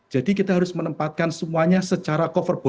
jadi kita harus menempatkan semuanya secara cover by cover